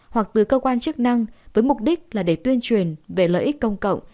hoặc từ cơ quan chức năng với mục đích là để tuyên truyền về lợi ích công cộng